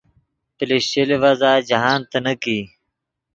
پلشچے لیڤزا جاہند تینیک ای